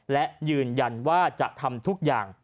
และยืนยันว่าจะทำทุกอย่าง